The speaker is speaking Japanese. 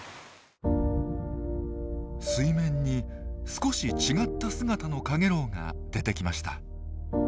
水面に少し違った姿のカゲロウが出てきました。